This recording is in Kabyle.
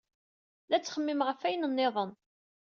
La ttxemmimeɣ ɣef wayen niḍen.